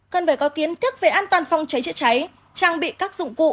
cần phải có kiến thức về an toàn phòng cháy chữa cháy trang bị các dụng cụ